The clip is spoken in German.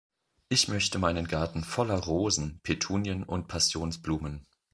Ich möchte meinen Garten voller Rosen, Petunien und Passionsblumen.